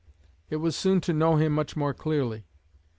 It was soon to know him much more clearly.